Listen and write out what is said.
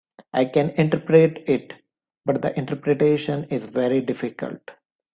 I can interpret it, but the interpretation is very difficult.